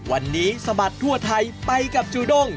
วันนี้สะบัดทั่วไทยไปกับจูด้ง